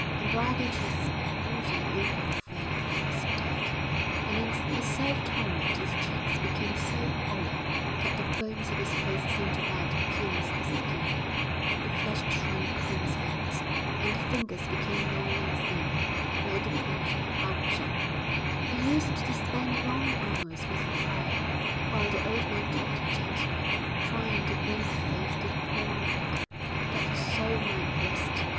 And Brother Jasper brooded over the faith that was dead; and in his self torment his cheeks became so hollow that the bones of his face seemed about to pierce the skin, the flesh shrunk from his hands, and the fingers became long and thin, like the claws of a vulture. He used to spend long hours with the prior, while the old man talked gently, trying to bring faith to the poor monk, that his soul might rest.